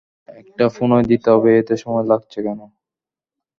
একটা ফোনই দিতে হবে এত সময় লাগছে কেন?